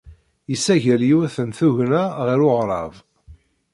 Yessagel yiwet n tugna ɣer uɣrab.